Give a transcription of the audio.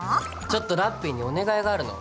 ちょっとラッピィにお願いがあるの。